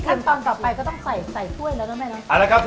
คราวนี้คนจะคนต่อไปก็ต้องใส่ข้วยแล้วนะแม่